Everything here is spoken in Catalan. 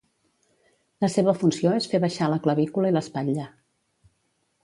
La seva funció és fer baixar la clavícula i l'espatlla.